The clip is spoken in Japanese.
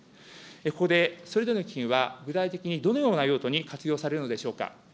ここでそれぞれの基金は具体的にどのような用途に活用されるのでしょうか。